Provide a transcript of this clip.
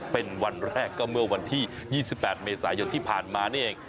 เป็นวันแรกก็เมื่อวันที่๒๘เมษายนที่ผ่านมานี่เอง